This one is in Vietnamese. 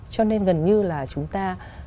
cho nên gần như là chúng ta